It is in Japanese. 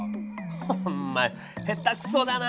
おまえ下手くそだな！